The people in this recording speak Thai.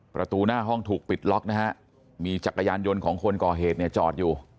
ประตูหน้าห้องถูกปิดล็อกนะฮะมีจักรยานยนต์ของคนก่อเหตุเนี่ยจอดอยู่